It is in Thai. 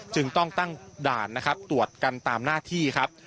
จึงต้องตั้งด่านนะครับตรวจกันตามหน้าที่ครับ